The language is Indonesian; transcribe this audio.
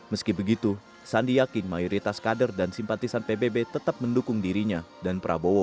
meski begitu sandi yakin mayoritas kader dan simpatisan pbb tetap mendukung dirinya dan prabowo